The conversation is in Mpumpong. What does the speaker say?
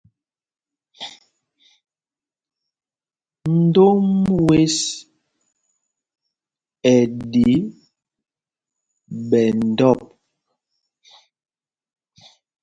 Ndom wes ɛ ɗi ɓɛ ndɔ̂p.